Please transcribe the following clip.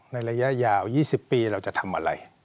ระยะยาว๒๐ปีเราจะทำอะไร